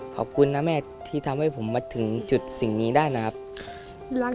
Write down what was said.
ขอบคุณนะแม่ที่ทำให้ผมมาถึงจุดสิ่งนี้ได้นะครับ